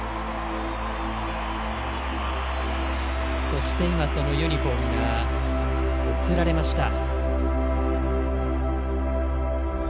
そして今、そのユニフォームが贈られました。